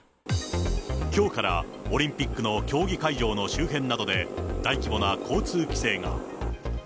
きょうからオリンピックの競技会場の周辺などで、大規模な交通規制が。